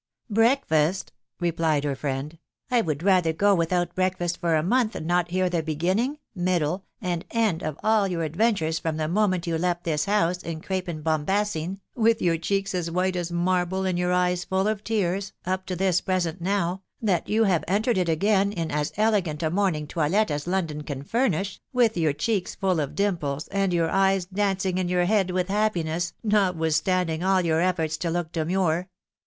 ce Breakfast !" replied her friend ••.»" I would rather go without breakfast for a month than not hear the beginning, middle, and end of all your adventures from the moment you left this house in crape and bombasin, with your cheeks aa white as marble, and your eyes full of tears, up to this present now, that you have entered it again in as elegant a morning toilet as London can furnish, with your cheeks full of dimples, and your eyes dancing in your head with happiness, notwith standing all your efforts to look demure